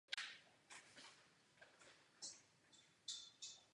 Start byl na kosmodromu Bajkonur.